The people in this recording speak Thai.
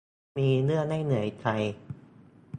มีเรื่องให้เหนื่อยใจ